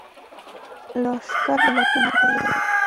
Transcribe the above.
لښکر له تندې ماتې خوړلې ده.